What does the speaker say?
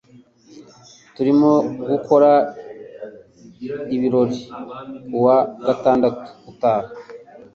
Turimo gukora ibirori kuwa gatandatu utaha..